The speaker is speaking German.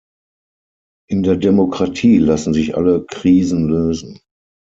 In der Demokratie lassen sich alle Krisen lösen.